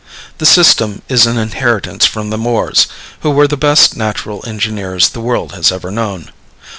The system is an inheritance from the Moors, who were the best natural engineers the world has ever known.